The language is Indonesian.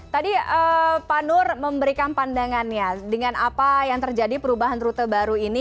tadi pak nur memberikan pandangannya dengan apa yang terjadi perubahan rute baru ini